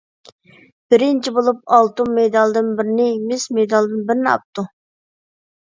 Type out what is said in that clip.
بىرىنچى بولۇپ، ئالتۇن مېدالدىن بىرنى، مىس مېدالدىن بىرنى ئاپتۇ.